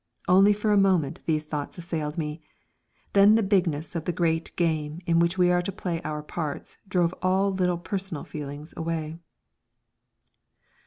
Only for a moment these thoughts assailed me; then the bigness of the Great Game in which we are to play our parts drove all little personal feelings away.